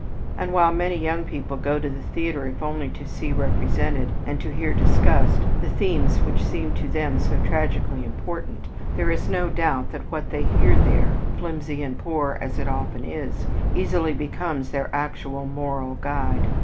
And while many young people go to the theater if only to see represented, and to hear discussed, the themes which seem to them so tragically important, there is no doubt that what they hear there, flimsy and poor as it often is, easily becomes their actual moral guide.